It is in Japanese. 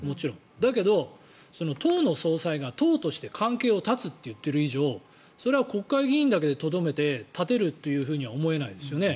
だけど、その党の総裁が党として関係を絶つと言っている以上それは国会議員だけでとどめて絶てるとは思えないですよね。